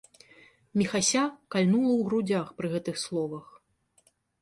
Міхася кальнула ў грудзях пры гэтых словах.